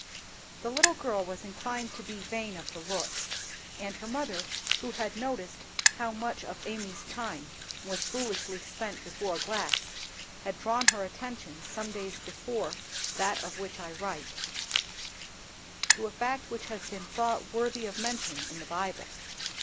The little girl was inclined to be vain of her looks, and her mother, who had noticed how much of her Amy's time was foolishly spent before a glass, had drawn her attention, some days before that of which I write, to a fact which has been thought worthy of mention in the Bible.